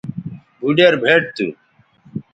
بھوڈیر بھئٹ تھو